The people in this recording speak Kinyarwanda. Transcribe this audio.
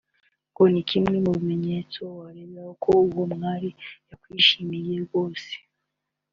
ngo ni kimwe mubimenyetso wareberaho ko uwo mwari yakwishimiye rwose